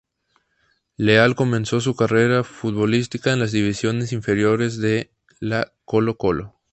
Leal comenzó su carrera futbolística en las divisiones inferiores de la Colo-Colo.